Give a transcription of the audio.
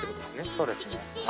そうですね